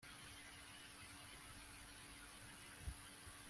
that one day she would glare at me